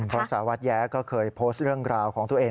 เพราะสารวัตรแย้ก็เคยโพสต์เรื่องราวของตัวเอง